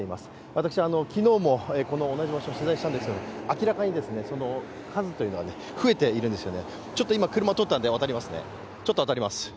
私は昨日も同じ場所を取材したんですけど明らかに数が増えているんですよね。